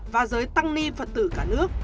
và giới tăng ni phật tử cả nước